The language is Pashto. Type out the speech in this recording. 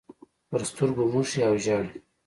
پر سترګو موښي او ژاړي.